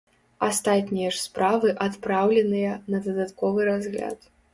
Астатнія ж справы адпраўленыя на дадатковы разгляд.